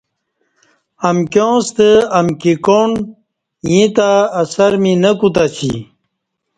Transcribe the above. امکیاں ستہ امکی کاݨ ییں تہ اثر می نہ کوتہ اسی